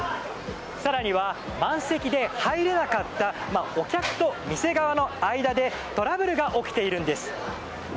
更には、満席で入れなかったお客と店側の間でトラブルが起きているんです。